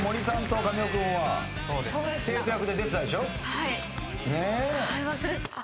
はい。